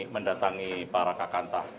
mendatangi para kakantah